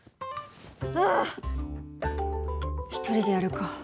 ああ一人でやるか。